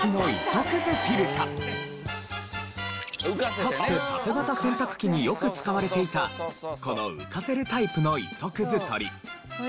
かつて縦型洗濯機によく使われていたこの浮かせるタイプの糸くず取り。